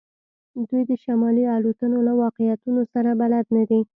دوی د شمالي الوتنو له واقعیتونو سره بلد نه دي